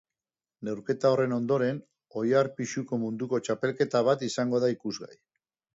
Neurketa horren ondoren, oilar pisuko munduko txapelketa bat izango da ikusgai.